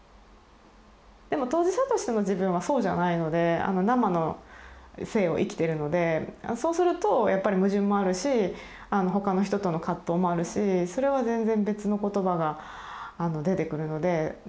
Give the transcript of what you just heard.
でも当事者としての自分はそうじゃないのでなまの生を生きているのでそうするとやっぱり矛盾もあるし他の人との葛藤もあるしそれは全然別の言葉が出てくるのでそれは私は混ぜないほうがいいとほんとに今も思ってますけど。